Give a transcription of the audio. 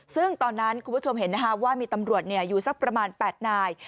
ซึ่งตอนนั้นคุณผู้ชมเห็นว่ามีตำรวจอยู่สักประมาณ๘นาย